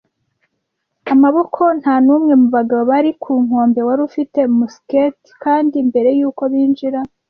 amaboko. Nta n'umwe mu bagabo bari ku nkombe wari ufite musketi, kandi mbere yuko binjira